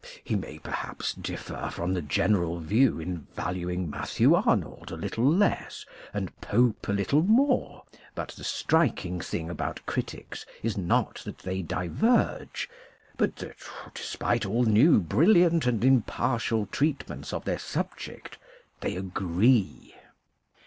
He may perhaps differ from the general view in valuing Matthew Arnold a little less, and Pope a little more: but the striking thing about critics is not that they diverge, but that despite all new brilliant, and impartial treatments of their subject, they agree.